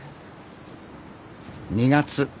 ２月。